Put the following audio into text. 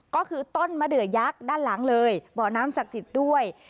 ก็คือต้นมะเดือยักษ์ด้านหลังเลยบ่อน้ำศักดิ์สิทธิ์ด้วย